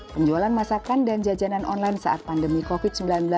penjualan masakan dan jajanan online saat pandemi covid sembilan belas